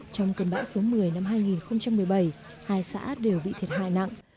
trong cơn bão số một mươi năm hai nghìn một mươi bảy hai xã đều bị thiệt hại nặng